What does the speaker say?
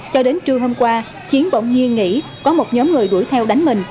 cho đến trưa hôm qua chiến bỗng nhiên nghĩ có một nhóm người đuổi theo đánh mình